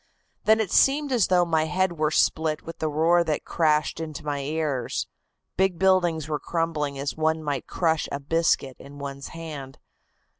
Then it seemed as though my head were split with the roar that crashed into my ears. Big buildings were crumbling as one might crush a biscuit in one's hand.